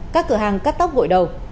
các cửa hàng cắt tóc gội đầu